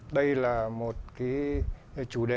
đây là một chủ đề của chúng tôi